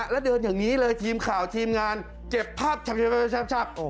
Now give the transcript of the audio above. แล้วเดินอย่างนี้เลยทีมข่าวทีมงานเก็บภาพชัก